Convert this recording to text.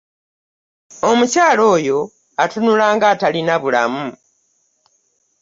Omukyala oyo atunula nga atalina bulamu.